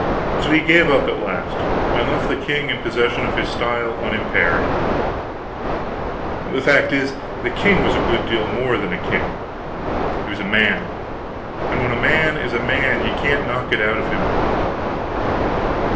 So he gave up at last, and left the king in possession of his style unimpaired. The fact is, the king was a good deal more than a king, he was a man; and when a man is a man, you can't knock it out of him.